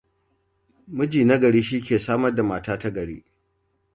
Miji nagari shi ke samar da mata tagari.